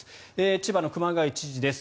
千葉の熊谷知事です。